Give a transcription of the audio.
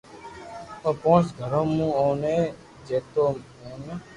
او پونچ گھرو مون اوني جيتو ميلتو